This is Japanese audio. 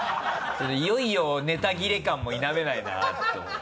いよいよネタ切れ感も否めないなと思って。